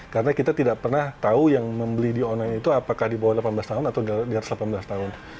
karena kita tidak pernah tahu yang membeli di online itu apakah di bawah delapan belas tahun atau di atas delapan belas tahun